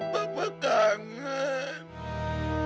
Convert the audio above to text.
mak papah tangan